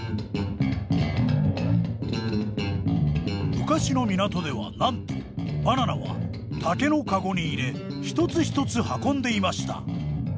昔の港ではなんとバナナは竹のカゴに入れ一つ一つ運んでいました。